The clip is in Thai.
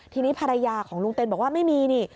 ทีนี้ภรรยาของลุงเต็นบอกว่าไม่มีนี่